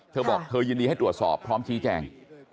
เธอบอกเธอยินดีให้ตรวจสอบพร้อมชี้แจง